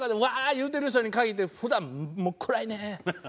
言うてる人に限って普段もう暗いね。